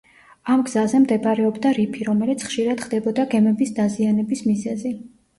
ამ გზაზე მდებარეობდა რიფი, რომელიც ხშირად ხდებოდა გემების დაზიანების მიზეზი.